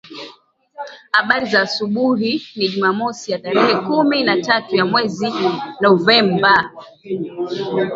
abari za asubuhi ni jumamosi ya tarehe kumi na tatu ya mwezi novemba